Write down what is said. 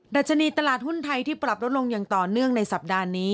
ดัชนีตลาดหุ้นไทยที่ปรับลดลงอย่างต่อเนื่องในสัปดาห์นี้